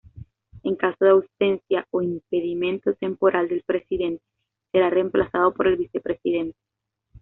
En caso de ausencia o impedimento temporal del Presidente, será reemplazado por el Vicepresidente.